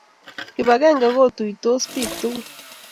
Kibakenge kotuitos pik tukul